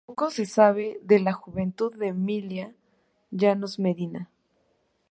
Poco se sabe de la juventud de Emilia Llanos Medina.